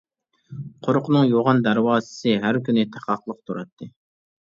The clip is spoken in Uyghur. قورۇقنىڭ يوغان دەرۋازىسى ھەر كۈنى تاقاقلىق تۇراتتى.